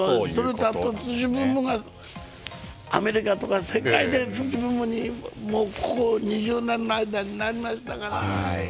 それと、アメリカとか世界で、ここ２０年の間に上がりましたから。